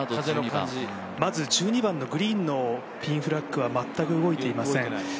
まず１２番のグリーンのピンフラッグは全く動いていません。